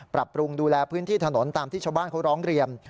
ปรับปรุงดูแลพื้นที่ถนนตามที่ชาวบ้านเขาร้องเรียน